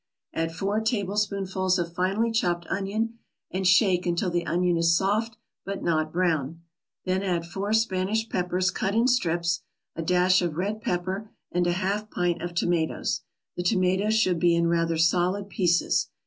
Add four tablespoonfuls of finely chopped onion and shake until the onion is soft, but not brown. Then add four Spanish peppers cut in strips, a dash of red pepper and a half pint of tomatoes; the tomatoes should be in rather solid pieces.